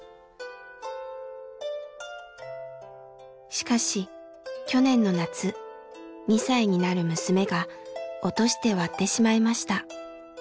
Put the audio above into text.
しかし去年の夏２歳になる娘が落として割ってしまいました。